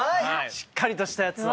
しっかりとしたやつを。